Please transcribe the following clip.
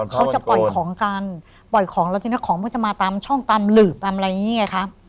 เขาจะปล่อยของกันปล่อยของแล้วทีนี้ของมันจะมาตามช่องตามหลืบตามอะไรอย่างนี้ไงครับ